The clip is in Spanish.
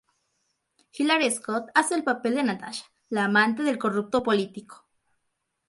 Hillary Scott hace el papel de Natasha -la amante del corrupto político.